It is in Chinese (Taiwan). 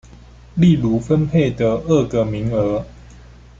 例如分配的二個名額